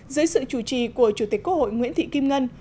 dưới sự chủ trì của chủ tịch quốc hội nguyễn thị kim ngân